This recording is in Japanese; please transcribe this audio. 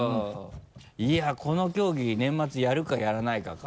いやっこの競技年末やるかやらないかか。